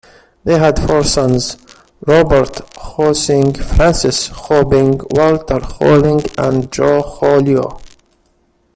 They had four sons: Robert Kho-Seng, Francis Kho-Beng, Walter Kho-Leng and John Kho-Liau.